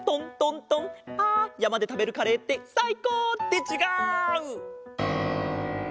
あやまでたべるカレーってさいこう！ってちがう！